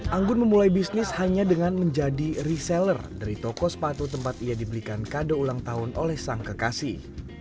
anggun memulai bisnis hanya dengan menjadi reseller dari toko sepatu tempat ia dibelikan kado ulang tahun oleh sang kekasih